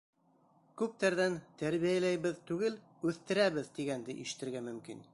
Күптәрҙән «тәрбиәләйбеҙ» түгел, «үҫтерәбеҙ» тигәнде ишетергә мөмкин.